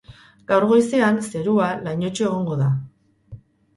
Gaur goizean, zerua lainotsu egongo da.